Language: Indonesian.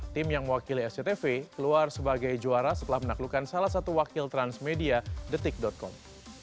tim yang mewakili sctv keluar sebagai juara setelah menaklukkan salah satu wakil transmedia detik com